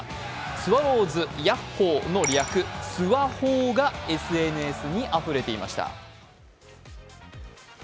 スワローズ、やっほーの略、すわほーがＳＮＳにあふれていました。